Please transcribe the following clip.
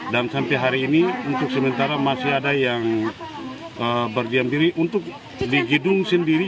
dan sampai hari ini untuk sementara masih ada yang berdiam diri untuk di gedung sendiri